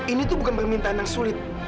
ini tuh bukan permintaan yang sulit